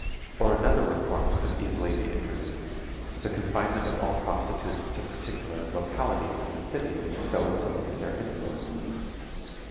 Or another reform could easily be introduced the confinement of all prostitutes to particular localities in the city, so as to limit their influence.